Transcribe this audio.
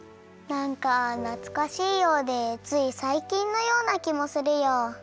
なんかなつかしいようでついさいきんのようなきもするよ。